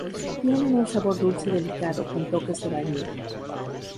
Tienen un sabor dulce delicado, con toques de vainilla.